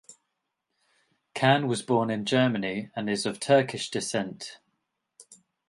Can was born in Germany and is of Turkish descent.